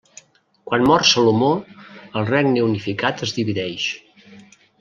Quan mor Salomó, el regne unificat es divideix.